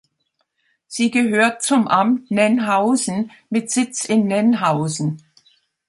Sie gehört zum Amt Nennhausen mit Sitz in Nennhausen.